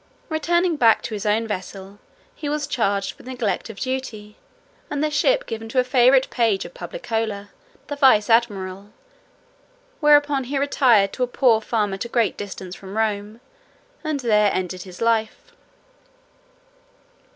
Returning back to his own vessel, he was charged with neglect of duty, and the ship given to a favourite page of Publicola, the vice admiral; whereupon he retired to a poor farm at a great distance from Rome, and there ended his life."